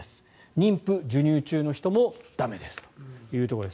妊婦・授乳中の人も駄目ですというところです。